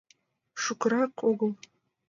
— Шукырак огыл?..